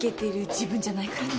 自分じゃないからって。